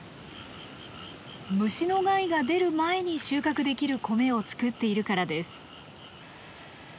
虫の害が出る前に収穫できる米を作っているからです。